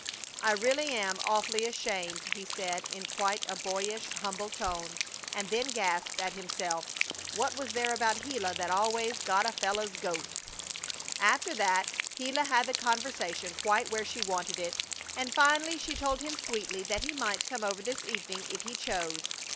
"I really am awfully ashamed," he said, in quite a boyish, humble tone, and then gasped at himself. What was there about Gila that always "got a fellow's goat"? After that Gila had the conversation quite where she wanted it, and finally she told him sweetly that he might come over this evening if he chose.